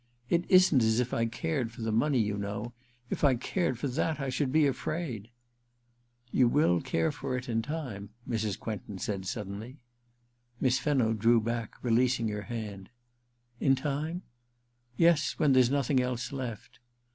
* It isn*t as if I cared for the money, you know ; if I cared for that, I should be afraid You will care for it in time,* Mrs. Quentin said suddenly. Miss Fenno drew back, releasing her hand. * In time ?' *Yes; when there's nothing else left.'